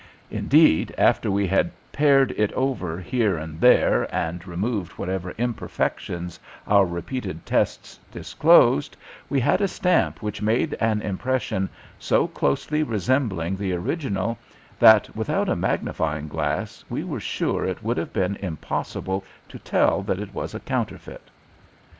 Indeed, after we had pared it over here and there and removed whatever imperfections our repeated tests disclosed, we had a stamp which made an impression so closely resembling the original that, without a magnifying glass, we were sure it would have been impossible to tell that it was a counterfeit.